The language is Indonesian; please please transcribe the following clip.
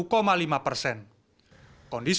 kondisi ini menjadi peringatan